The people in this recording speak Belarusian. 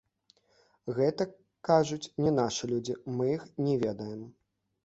Гэта, кажуць, не нашы людзі, мы іх не ведаем.